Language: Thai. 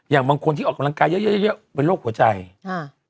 อย่างบางคนที่ออกกำลังกายเยอะเยอะเป็นโรคหัวใจค่ะ